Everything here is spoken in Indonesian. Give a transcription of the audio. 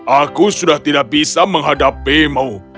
aku sudah tidak bisa menghadapimu